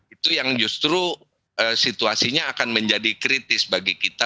itu yang justru situasinya akan menjadi kritis bagi kita